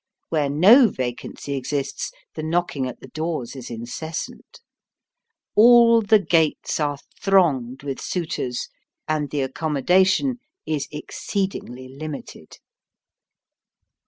Where no vacancy exists the knocking at the doors is incessant. All the gates are thronged with suitors, and the accommodation is exceedingly limited.